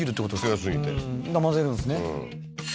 強すぎて混ぜるんですね